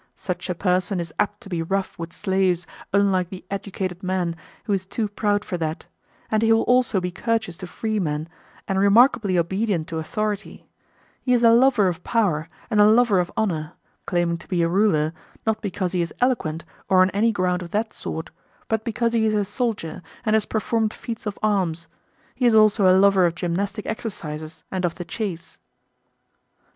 Such a person is apt to be rough with slaves, unlike the educated man, who is too proud for that; and he will also be courteous to freemen, and remarkably obedient to authority; he is a lover of power and a lover of honour; claiming to be a ruler, not because he is eloquent, or on any ground of that sort, but because he is a soldier and has performed feats of arms; he is also a lover of gymnastic exercises and of the chase.